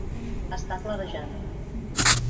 Està clarejant.